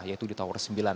yaitu di tower sembilan